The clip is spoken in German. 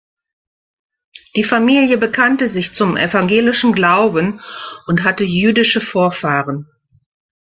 Die Familie bekannte sich zum evangelischen Glauben und hatte jüdische Vorfahren.